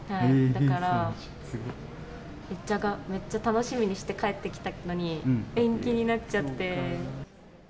だから、めっちゃ楽しみにして帰ってきたのに延期になっちゃって。